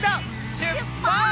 しゅっぱつ！